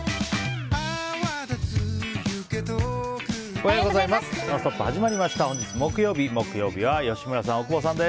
おはようございます。